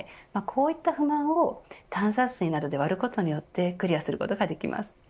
こういった不満を炭酸水で割ることによってクリアすることができます。